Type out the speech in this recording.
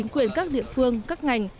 quyền các địa phương các ngành